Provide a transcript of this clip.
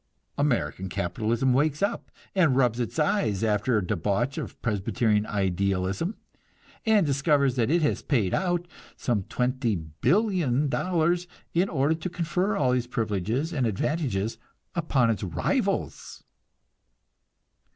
American capitalism wakes up, and rubs its eyes after a debauch of Presbyterian idealism, and discovers that it has paid out some $20,000,000,000, in order to confer all these privileges and advantages upon its rivals!